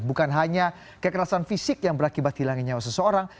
bukan hanya kekerasan fisik yang berakibat hilangnya nyawa seseorang